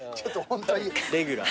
レギュラー。